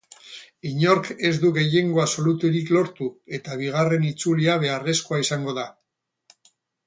Inork ez du gehiengo absoluturik lortu, eta bigarren itzulia beharrezkoa izango da.